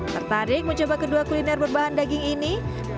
tertarik mencoba kedua kuliner berbahan daging ini